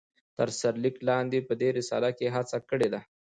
تر سر ليک لاندي په دي رساله کې هڅه کړي ده